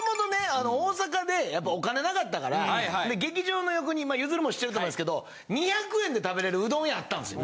あの大阪でやっぱお金なかったから劇場の横にまあゆずるも知ってると思いますけど２００円で食べれるうどん屋あったんっすよ。